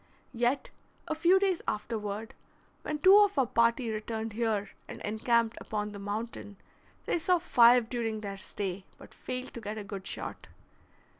Yet a few days afterward, when two of our party returned here and encamped upon the mountain, they saw five during their stay, but failed to get a good shot.